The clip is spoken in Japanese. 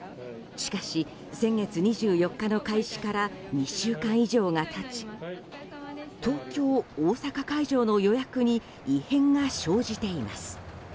しかし先月２４日の開始から２週間以上が経ち東京、大阪会場の予約に異変が生じています。